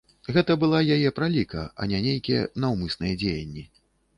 Гэта была яе праліка, а не нейкія наўмысныя дзеянні.